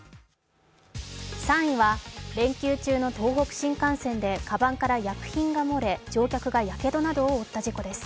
３位は連休中の東北新幹線でかばんから薬品が漏れ乗客がやけどなどを負った事故です。